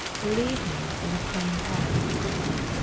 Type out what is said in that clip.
" Lead me \R a plain path."